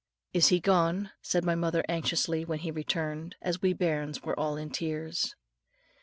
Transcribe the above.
"Is he gone?" said my mother anxiously, when he returned. And we bairns were all in tears.